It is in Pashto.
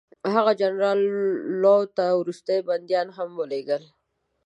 هغه جنرال لو ته وروستي بندیان هم ولېږل.